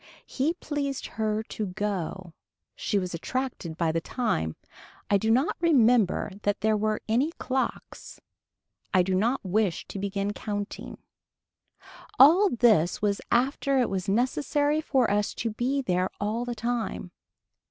He pleased her to go. She was attracted by the time. I do not remember that there were any clocks. I don't wish to begin counting. All this was after it was necessary for us to be there all the time.